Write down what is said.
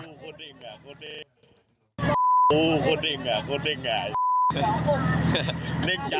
ห่วงดิง